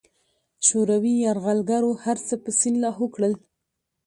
شوروي یرغلګرو هرڅه په سیند لاهو کړل.